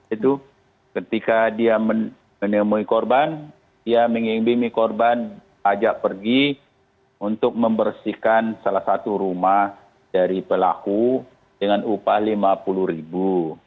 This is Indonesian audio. itu ketika dia menemui korban dia mengimbimi korban ajak pergi untuk membersihkan salah satu rumah dari pelaku dengan upah lima puluh ribu